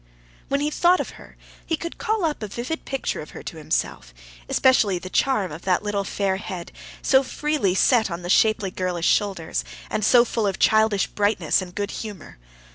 When he thought of her, he could call up a vivid picture of her to himself, especially the charm of that little fair head, so freely set on the shapely girlish shoulders, and so full of childish brightness and good humor.